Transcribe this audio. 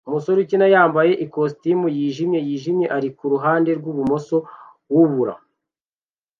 Umusore ukinayambaye ikositimu yijimye yijimye ari kuruhande rwumusozi wubura